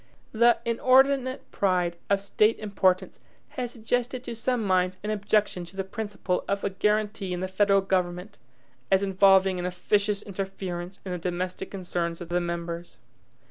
The inordinate pride of State importance has suggested to some minds an objection to the principle of a guaranty in the federal government, as involving an officious interference in the domestic concerns of the members.